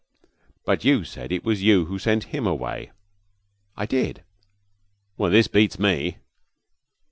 'But you said it was you who sent him away.' 'I did.' 'Well, this beats me!'